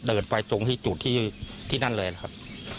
เดินไปตรงที่จุดที่นั่นเลยนะครับ